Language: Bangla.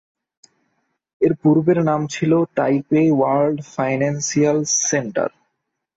এর পূর্বের নাম ছিল তাইপে ওয়ার্ল্ড ফাইন্যান্সিয়াল সেন্টার।